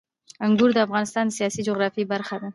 انګور د افغانستان د سیاسي جغرافیه برخه ده.